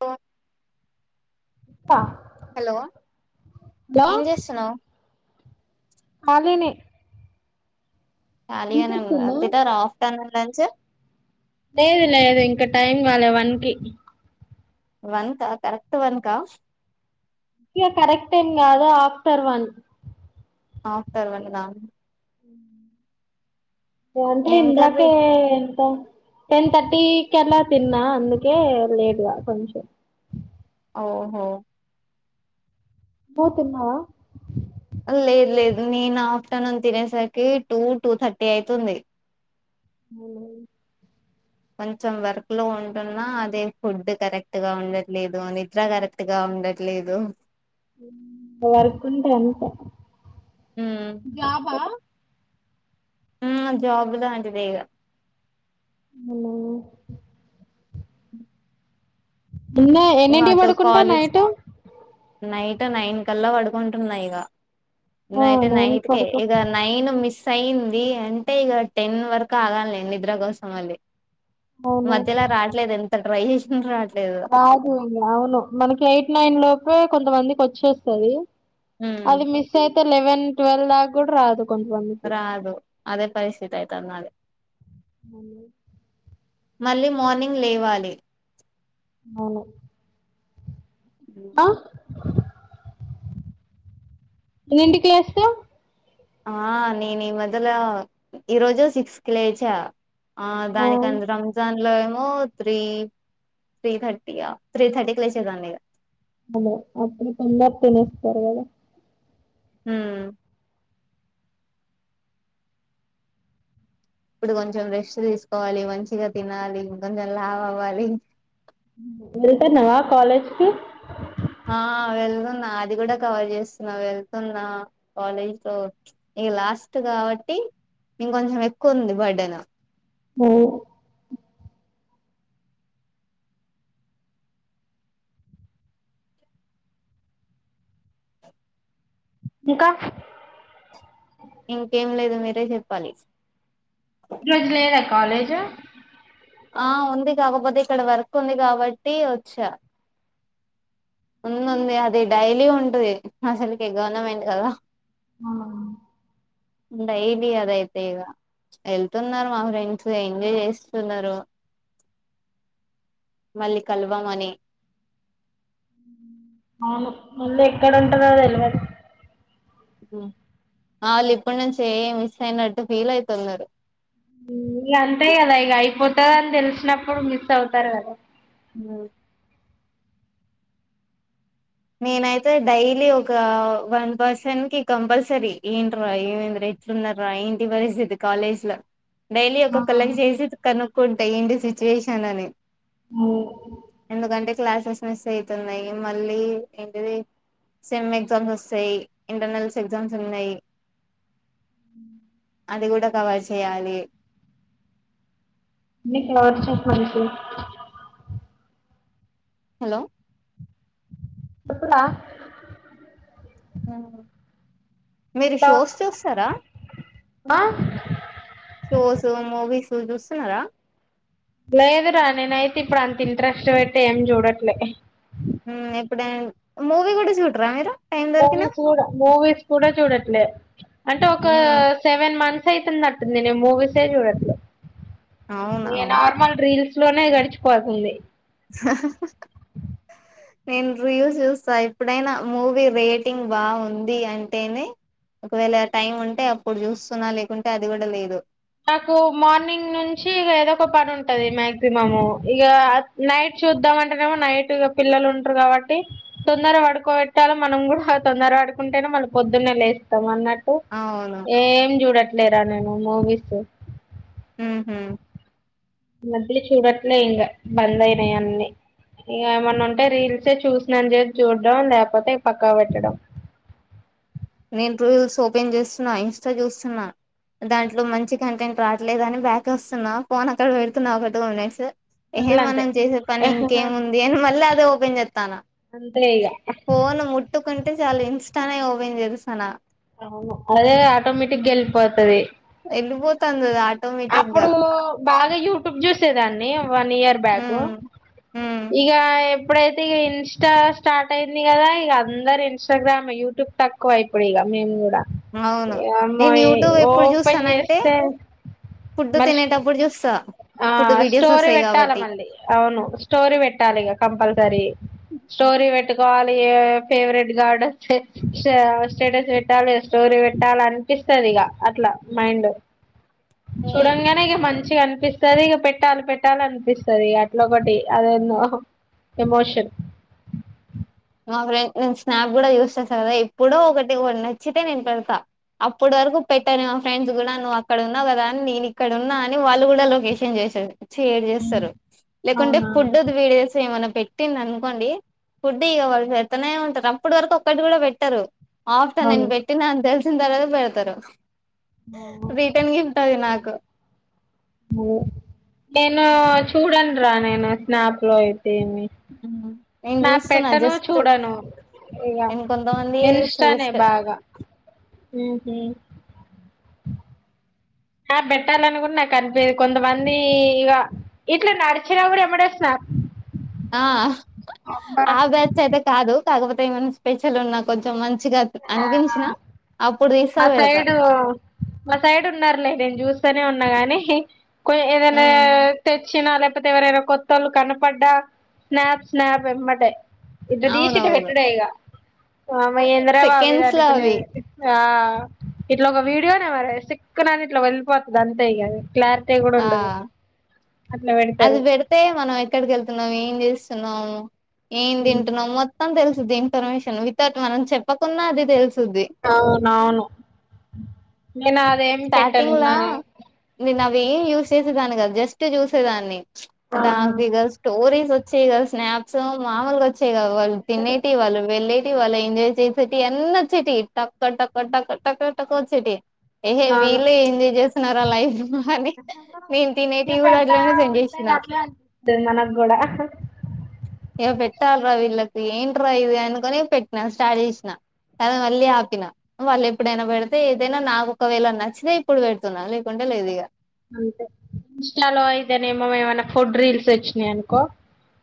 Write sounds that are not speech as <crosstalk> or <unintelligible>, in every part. ఆ hello hello ఏం చేస్తున్నవు? కాలీనే కాలీగనే ఉన్నరా <unintelligible> ఆఫ్ ధ్యానం లంచ్. లేదు లేదు ఇంకా టైం కాలే వన్కి. వన్ కా కరెక్ట్ వన్కా. ఇగ కరెక్ట్ ఎంకాదు ఆఫ్టర్ వన్. ఆఫ్టర్ వన్ ఆ. ఇగా అంటే ఏం కర్రీ ఇందాకే <inaudible> టెన్ థర్టీకి అలా తిన్నా అందుకే లేట్గా కొంచెం. ఓహో నువ్వు తిన్నావా. లేదు లేదు నేను ఆఫ్టర్నూన్ తినేసరికి టూ టూ థర్టీ అయితుంది ఉవు కొంచెం వర్క్ లో ఉంటున్నా అదే ఫుడ్ కరెక్ట్ గా ఉండట్లేదు నిద్ర కరెక్ట్ గా ఉండట్లేదు. వర్క్ ఉంటే అంతే ఉమ్ జోబ్బులా అంట వేగా. అ న్న ఎన్నింటి అటు పడుకుంటా కాలేజ్ నైట్. నైట్ నైన్ కల్లా పడుకుంటున్నా ఇక. ఆ అయితే నైన్ కి నైట్ క పడుకో ఇక నైను మిస్. అయింది అంటే ఇక టెన్ వరకు ఆగాలిండి నిద్ర కోసం మళీ. అవును మధ్యలా రావట్లేదు ఎంత రహేష్ రా అదు అవును మనకి ఎయిట్ నైన్ లోప కొంతమందికి వచ్చేస్తుది. ఉమ్ అది మిస్ అయితే లెవెన్ ట్వల్వ్ దాకా కూడా రాదు కొంతమందికి రాదు అదే పరిస్థితి ఆయత అన్నాళ అ మళ్ళీ మార్నింగ్ లేవాలి అవు ఆ ఎన్నింటికి లేస్తావ్ ఆ నేను ఈ మదల ఈరోజు సిక్స్ కి లేచా. ఆ దానిక రంజాన్ లో ఏమో త్రీ త్రీ థర్టీయా త్రీ థర్టీకి లేచేదాండి అను అప్పుడు తొంద తనే పవద. హ ఇప్పుడు కొంచెం రెస్ట్ తీసుకోవాలి మంచిగా తినాలి కొంచెం లావ్ అవ్వాలి వెళ్తున్నావా కాలేజీకి ఆ వెళ్తున్నా అది కూడా కవర్ చేస్తున్నా వెళ్తున్నా కాలేజ్ త ఇక లాస్ట్ కాబట్టి ఇంక కొంచెం ఎక్కువ ఉంది బర్డే నా ఓ ఇంకా ఇంకేం లేదు మీరే చెప్పాలి రజలేద కాలజ కాకకపోతే ఇక్కడ వర్క్ ఉంది కాబట్టి వచ్చా. ఉంది ఉంది అది డైలీ ఉంటది అసలుకి గవర్నమెంట్ కదా. అవును డైలీ అదయితే ఇక వెళ్తున్నారు మా ఫ్రెండ్స్ ఎంజాయ్ చేస్తున్నారు మళ్ళీ కలవామని అవును ముందు ఎక్కడ ఉంటుంరో తెలవదు. వాళ్ళు ఇప్పుడు నును చె మిస్ అయినట్టు ఫీల్ అయితున్నారు. ఇ అంతేయి కదా ఇక అయిపోతంద అని తెలిసినప్పుడు మిస్ అవుతారు కదా ఊ నేనైతే డైలీ ఒక వన్ పర్సన్ కి కంపల్సరీ ఏంట్రా ఏమైంది ఎట్లున్న రా ఏంటి పరిస్థితి కాలేజ్లో డైలీ ఆ ఒక కల్ కి చేసి కను కుంట ఏంటి సిచ్యువేషన్ అని ఒ ఎందుకంటే క్లాసెస్ మిస్ అయితున్నాయి మళ్ళీ ఏంటిది సెమ్ ఎగ్జామ్స్ వస్తాయి ఇంటర్నల్స్ ఎగ్జామ్స్ ఉన్నాయి అది కూడా కవర్ చేయాలి నీ ప్లాట్ చూపించు హలో ఇప్పుడా ఊ మీరు షోస్ చూస్తారా ఆ షోసు మూవీస్ మీర్ చూస్తున్నారా లేదురా నేనైతే ఇప్పుడు అంత ఇంట్రెస్ట్ వెట్టి ఏం చూడట్లే మూవీ కూడ చూడరా మీరు టైం దొరికినా మూవీస్ కూడ చూడట్లే అంటే ఒక సెవెన్ మంత్ సైతం నట్టుంది నేన్ మూవీసే చూడట్లే అవునా ఇగ నార్మల్ రీల్స్ లోనే గడిచిపోతుంది నేను రీయుస్ చూస్తా ఎప్పుడైనా మూవీ రేటింగ్ బాగుంది అంటేనే ఒకవేళ టైం ఉంటే అప్పుడు చూస్తున్నా లేకుంటే అది కూడా లేదు మాకు మార్నింగ్ నుంచి ఏదో ఒక పని ఉంటది మాక్సిమము ఇక నైట్ చూద్దాం అంటేనేమో నైట్ పిల్లలు ఉంట్రూ కాబట్టి తొందర పడుకోబెట్టాలె మనం కూడా తొందర పడుకుంటేనే మనం పొద్దున్నే లేస్తాం అన్నట్ అవును ఏం చూడట్లేరా నేను ఉమూవి సొ ఊహు ఈ మధ్యల చూడట్లే ఇంగ బంద్ అయినయ్ అన్ని ఇగ ఏమన్న అంటే రీల్సే చూసిననిచెప్ చూడం లేకపోతే పక్కకు పెట్టడం నేన్ ట్విల్స్ ఓపెన్ చేస్తున్నా ఇంస్టా చూస్తున్నా దాంట్లో మంచి కంటెంట్ రావట్లేదు అని బ్యాక్ వస్తున్నా ఫోన్ అక్కడ పెడుతున్నా ఒక టు మినట్సు ఏహె ఫుల్ అంతే మనం చేసే పని ఇంకేముంది అని మళ్ళ అది ఓపెన్ చేతన అంతే ఇగ ఫోన్ ముట్టుకుం ఉంటే చాలు ఇంస్టానే ఓపెన్ చేయదు తనా అదే ఆటోమేటిక్గా ఎళ్ళిపోతది ఎల్లిపోతంది అది ఆడ్ అప్పుడు బాగా యూట్యూబ్ చూసేదాన్ని వన్ ఇయర్ బ్యాకు ఉమ్ ఉమ్ ఇగా ఎప్పుడైతే ఇగ ఇన్స్టా స్టార్ట్ అయింది కదా ఇక అందరు ఇంస్టాగ్రామ్ యూట్యూబ్ తక్కువ ఇప్పుడు ఇగ మేము అవును నేను ఒమ్మోయి యూట్యూబ్ ఎప్పుడు ఓపన్ చూస్తానంటే చేస్తే ఫుడ్ మళ్ళీ తినేటప్పుడు చూస్తా ఆ ఫుడ్ వీడియోస్ స్టోరీ వస్తాయి పెట్టాలా కాబట్టి మళ్ళీ, అవును స్టోరీ పెట్టాలిగ కంపల్సరీ స్టోరీ పెట్ టాలిగా ఫేవరెట్గాడ్ స్టేటస్ పెట్టాలి, స్టోరీ పెట్టాల, అనిపిస్తది ఇక అట్లా మైండ్. ఉమ్. చూడంగనేఇగ మంచి టె అన్పిస్తది ఇగ పెట్టాలి పెట్టాలి అనిపిస్తది అట్ల ఒకటి, అదేన్నో ఎమోషన్ మా ఫ్రెండ్ నేను స్నాప్ కూడ యూస్చేస్తాగదా. ఎప్పుడో ఒకటి ఒ నచ్చితే నేను పెడతా, అప్పటి వరకు పెట్టను. మా ఫ్రెండ్స్ కూడ నువ్వు అక్కడ ఉన్నావు కదా, అన్ నేనిక్కడ ఉన్నా అని వాళ్ళు కూడా లొకేషన్ చేస్తరు. షేర్ చేస్తరు లేకుంటే, అవునా ఫుడ్ ది వీడియోస్ ఏమన్న. పెట్టిందనుకోండి, ఫుడ్ డిగ వాళ్ళు పెతనే ఉంటరు, అప్పటి వరకు ఒక్కటి కూడా పెట్టరు. ఆఫ్టర్, నేను అవును పెట్టినా అని తెల్స్ ట్టిన్ తర్వాత పెడతరు. రిటర్న్ గిఫ్ట్ అది నాక్ గ నేను చూడన్రా, నేను స్నాప్ లో అయి నేను స్నాప్ చూస్తున్నా పెట్టను జస్ట్ చూడను ఇగ, నేను కొంతమంది చూస్తా ఇంస్టానే జస్ట్ బాగా. మ్ హు. స్నాప్ పెట్టాలని కూడ నాకు అనిపియ్యదు. కొంతమంది ఇగ, ఇట్లా నడిచినా కూడ ఎంబడే స్నాప్. ఆ అబ్బా ఆ బ్యాచ్ అయితే కాదు. కాకపోతే ఏమైనా స్పెషల్ ఉన్నా, కొంచెం మంచ్ ఆ తీస్తా మా పెడతా సైడు మా సైడ్ ఉన్నర్లే, నేను చూస్ తనే ఉన్న గని. కొని ఏదన్నా ఉమ్, తెచ్చినా, లేక్ పోతే ఎవరైనా కొత్తోళ్లు కనపడ్డా, స్నాప్ స్నాప్ ఎంబటే. ఇట్ట తీసి ఇట్ట అవునవును పెట్టుడే ఇగ. వామ్మో ఏందో సెకండ్స్ ల అవి. ఆ ఇట్ల ఒక వీడియోనే మరి. సిక్క్కనన ఇట్లా వెళ్పోతది అంతే ఇక అది. క్లారిటీ కూడ ఆ ఉండదు. అట్లా అది పెడతారు పెడితే మనం ఎక్కడికి వెళ్తున్నాం, ఏం చేస్ తున్నామో ఏం తింటున్నాం మొత్తం తెల్స్ ది ఇన్ఫర్మేషన్, వితౌట్ మనం చెప్పకున్నా అది తెలుస్ అవునవును. నేను అదేమి పెట్టను స్టార్టింగ్ల, నా నేను అవి ఏం యూస్ చేసేదాన్ని కాదు జస్ట్ చూసేదాన్ని అవును ద్దాక్ ఇగ స్టోరీ వచ్చేవి కద స్నాప్స్ మామూలుగా వచ్చేవి కావు వాళ్ళు తినేటి వాళ్ళు వెళ్ళే టి వాళ్ళు ఎంజాయ్ చేసేటివి అన్ని వచ్చేటియి టక్క టక్కా టక్కా టక్కా టక్కా వచ్చేటియి ఏహే అవును వీళ్ళే ఎంజాయ్ చేస్తున్నారా లైఫ్ అని నేను తినేటి కూడా అట్లనే సెండ్ చేసినా మనకు కూడా ఇగ పెట్టాలిరా వీళ్ళకి ఏంటి రా ఇది అనుకొని పెట్టినా స్టార్ట్ చేసినా తర్వాత మళ్ళీ ఆపిన వాళ్ళు ఎప్పుడైనా పెడితే ఏదైనా నాకు ఒకవేళ నచ్చితే ఇప్పుడు పెడుతున్నా లేకుంటే లేదు ఇగ అంతే ఇంస్టాలో అయితే నేమో ఏమైన్నా ఫుడ్ రీల్స్ వచ్చినయి అనుకో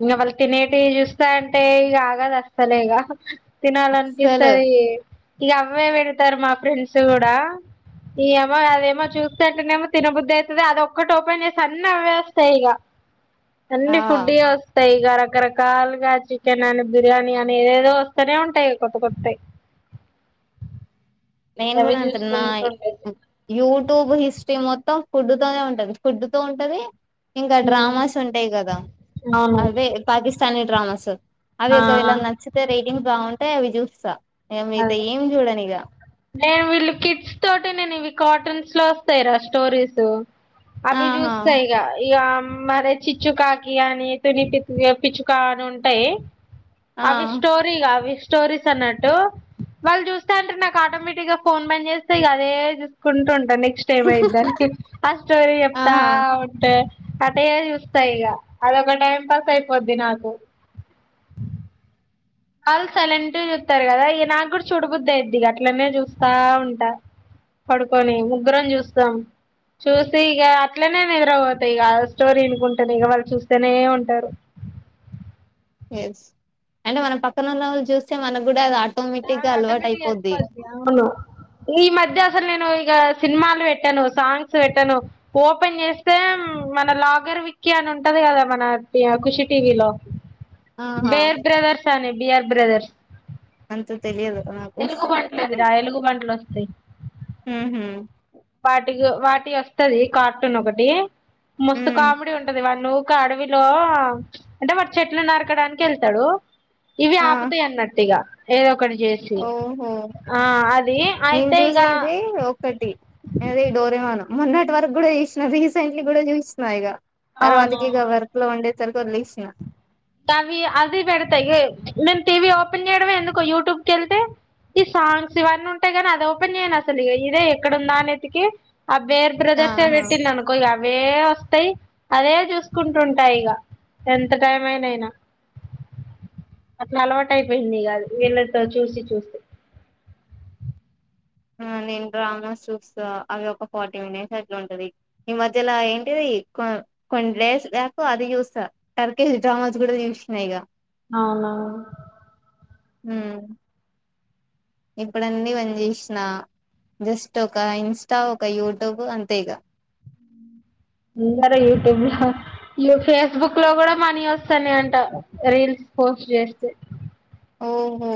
ఇంగ వాళ్ళు తినేటియి చూస్తాంటే ఇగ ఆగదు అస్సలే ఇగ అసలు తినాలనిపిస్తది ఇగ అవ్వే పెడతారు మా ఫ్రెండ్స్ కూడా ఈ అవ్వ అదేమో చూస్తంటేనేమో తినబు ద్ధయితది అది ఒక్కటోపన్ చేస్తే అన్ని అవ్వే వస్తాయి ఇగ అన్ని ఆ ఫుడ్ యే వస్తయి ఇగ రకరకాలుగా చికెన్ అని బిర్యానీ అని ఏదేదో వస్తేనే ఉంటాయి కొత్త కొత్తయి నేన్ అవి గుదా అంతే నా చూసుకుంటుండేది యూట్యూబ్ హిస్ట్ర్రి మొ త్తం ఫుడ్ తోనే ఉంటంది ఫుడ్తో ఉంటంది ఇంకా ఉమ్, డ్రామాస్ ఉంటాయి కదా అవును అదే పాకిస్తానీ డ్రామాస్ అవి ఆ ఒకవేళ నచ్చితే రేటింగ్ బాగుంటే అవి తిత్సా ఇగ మిగతా అదే ఏం చూడనిగ నేను వీళ్ళు కిట్స్ తోటి నేను ఇవి కార్టూన్స్ లో వస్తాయి రా స్టోరీస్ అవి ఆహా చూస్త ఇగ ఈ ఆమ్ మరి చిచ్చుకాకి అని తుని పి పిచ్చుకా అని ఉంటయి ఆ అవి స్టోరీ గా అవి స్టోరీస్ అన్నట్టు వాళ్ళు చూస్త అంటరు నాకు ఆటోమేటిక్ గా ఫోన్ బంద్ చేస్తే ఇగ అదే చూసుకుంటు నెక్స్ట్ టైమ్ అయిద్దని ఆ స్టోరి చెప్తా ఆహా ఉంటే అటే చూస్త ఇగ అదొక టైం పాస్ అయిపోద్ది నాకు వాళ్ళు సలెంట్గా చూత్తరు కదా ఇగ నాకు కూడా చూడబుద్దాయిద్ది ఇగ అట్లనే చూస్తా ఉంటా పడుకొని ముగ్గురం చూస్తాం చూసి ఇగ అట్లనే నిద్రపోతా ఇగ ఆ స్టోరీ ఇనుకుంటనే ఇగ వాళ్ళు చూస్తనే ఉంటారు ఎస్ అంటే మన పక్కన ఉన్నోళ్ళు చూస్తే మనకు కూడా అ అ ఆటోమిటిక్గా అయిపోద్ది అవును ఈ మధ్య అ సల్ నేను ఇగా సినిమాలు పెట్టను సాంగ్స్ పెట్టను ఓపెన్ చేస్తే మన లాగర్ విక్కి అని ఉంటది కదా మన ఖుషి టీవీలో ఆహా బెర్ బ్రదర్స్ అని బియర్ బ్రదర్స్ అంత తెలియదు నాకు ఎలుగు బంట్లది రా ఎలుగు బంట్లు వస్తాయి ఉహుం వాటికి వాటి వస్తది కార్టూన్ ఒకటి ముస్తు ఉమ్ కామెడీ ఉంటది వాల్లు ఒక అడవిలో అంటే వాడు చెట్లు నరకడానికి వెళ్తాడు ఇవి ఆ ఆపుతాయి అన్నట్టుగా ఏ ఒకటి చేసి ఓహో ఆ అది అయితే ఇక అద డోరేమాను మొన్నటి వరకు కూడా చూసిన రీసెంట్లీ కూడా చూస్తున్నా ఇక అవునా తర్వాతకి ఇక వర్క్ లో ఉండేది వదిలేశా అవి అవి పెడతాయి నేను టీవీ ఓపెన్ చేయడమే ఎందుకో యూట్యూబ్ క వెళ్తే ఈ సాంగ్స్ ఇవన్నీ ఉంటాయి కాని అది ఓపెన్ చేయను అసలు ఇ ఇదే ఎక్కడందా అనేతికి ఆ బేర్ బ్రదర్సే ఆహా పెట్టిండు అనుకో అవే వస్తాయి అదే చూసుకుంటుంటాయి ఇక ఎంత టైం ననైనా అట్లా అలవాటు అయిపోయింది కాదు వీళ్ళతో చూసి చూస్తే ఆ నేను డ్రామాస్ చూస్తా అవి ఒక ఫార్టీ మినిట్స్ అట్లా ఉంటది ఈ మధ్యలా ఏంటిది కొ కొన్ని డేస్ లేకు అది చూస్తా టర్కేజ డ్రామాస్ కూడా చూసినాయిక అవునా ఉ ఇప్పుడన్నీ పని చేసిన జస్ట్ ఒక ఇన్స్టా ఒక యూట్యూబ్ అంతే ఇక అందరు యూట్యూబ్ లో ఫేస్బుక్ లో కూడా మనీ వస్తాన్నా అంట రీల్స్ పోస్ట్ చేస్తే ఓహో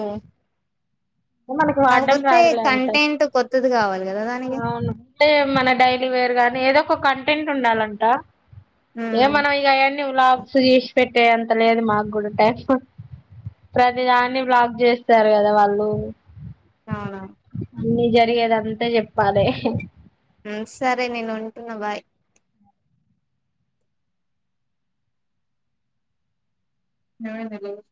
ఉ మనకి వాడ్డం కాకపోతే రాదు లేంతే కంటెంట్ కొత్తది కావాలి కదా దానికి అవును అంటే మన డైలీ వేర్ గానీ ఏదో ఒక కంటెంట్ ఉండాలంట ఏ హ్మ్ మన ఇక ఎన్నీ లాపుసు చేసి పెట్టే అంత లేదు మాకు కూడా టైప్ ప్రతి దాన్ని బ్లాక్ చేస్తారు కదా వాళ్ళు అవును అన్నీ జరిగేది అంతా చెప్పాలి సరే నేను ఉంటున్నా బాయ్ నాలుగు